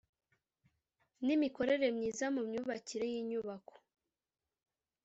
N imikorere myiza mu myubakire y inyubako